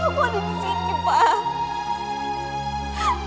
aku mau disini pak